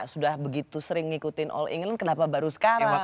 sudah begitu sering ngikutin all england kenapa baru sekarang lewat